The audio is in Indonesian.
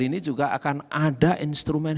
ini juga akan ada instrumen